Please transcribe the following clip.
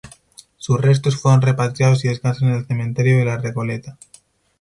Sus restos fueron repatriados y descansan en el Cementerio de la Recoleta.